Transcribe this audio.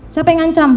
siapa yang ancam